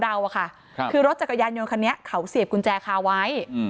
คือรถจักรยานยนต์คันนี้เขาเสียบกุญแจคาไว้